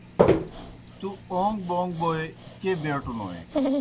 تُوْ اوْن٘گ بوْن٘گ بوئے کیْہ بیٹوْنوئے؟